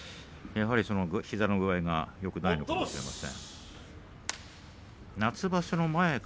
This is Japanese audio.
膝の具合がよくないのかもしれません。